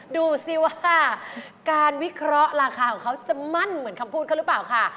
ดูสิว่าการวิเคราะห์ราคาของเขาจะมั่นเหมือนคำพูดเขาหรือเปล่าค่ะ